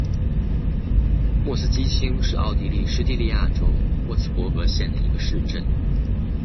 莫斯基兴是奥地利施蒂利亚州沃茨伯格县的一个市镇。